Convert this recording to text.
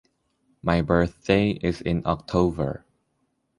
My birthday is in October.